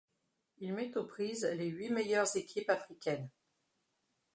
Il met aux prises les huit meilleures équipes africaines.